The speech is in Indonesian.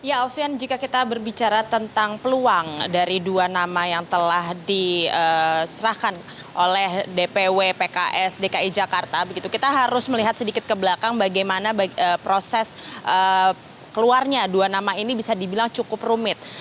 ya alfian jika kita berbicara tentang peluang dari dua nama yang telah diserahkan oleh dpw pks dki jakarta begitu kita harus melihat sedikit ke belakang bagaimana proses keluarnya dua nama ini bisa dibilang cukup rumit